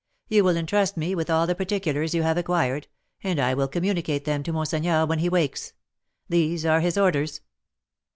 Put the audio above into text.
You will entrust me with all the particulars you have acquired, and I will communicate them to monseigneur when he wakes. These are his orders."